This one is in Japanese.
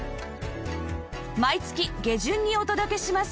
毎月下旬にお届けします